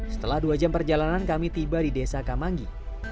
setelah dua jam perjalanan kami tiba di desa kamangi